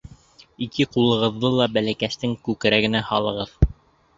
Ике ҡулығыҙҙы ла бәләкәстең күкрәгенә һалығыҙ.